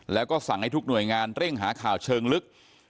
แล้วก็สั่งให้ทุกหน่วยงานเร่งหาข่าวเชิงลึก